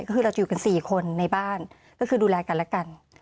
ก็คือเราจะอยู่กัน๔คนในบ้านก็คือดูแลกันและกัน